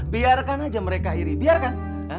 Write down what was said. biarkan aja mereka iri biarkan